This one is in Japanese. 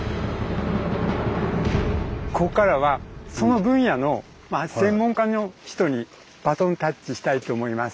ここからはその分野の専門家の人にバトンタッチしたいと思います。